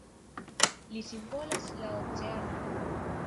Li simbolas la oceanon.